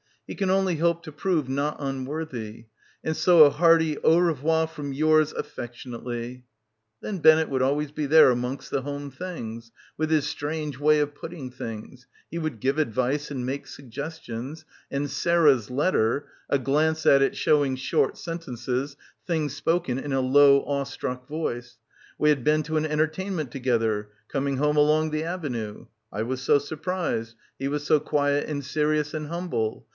He can only hope to prove not unworthy; and so a hearty au re voir from yours affectionately.' ... Then Bennett would always be there amongst the home things ... with his strange way of putting things; he would give advice and make suggestions ... and Sarah's letter ... a glance at it showing short sentences, things spoken in a low awe struck voice. ... 'We had been to an entertainment together. ... Coming home along the avenue. I was so sur prised. He was so quiet and serious and humble.'